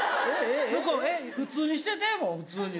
普通にしてて、普通に。